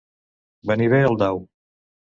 Venir bé al dau.